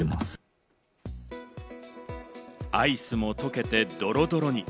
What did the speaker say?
アイスもとけてドロドロに。